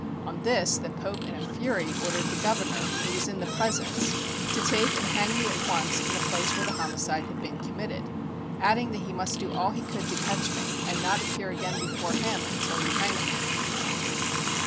On this the Pope in a fury ordered the Governor, who was in the presence, to take and hang me at once in the place where the homicide had been committed; adding that he must do all he could to catch me, and not appear again before him until he had hanged me.